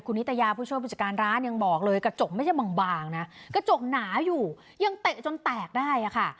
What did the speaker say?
คุณนิตยาผู้ช่วยผู้จัดการร้านยังบอกเลยกระจกไม่ใช่บางนะกระจกหนาอยู่ยังเตะจนแตกได้ค่ะ